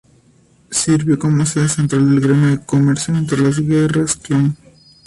Sirvió como sede central del Gremio de Comercio durante las Guerras Clon.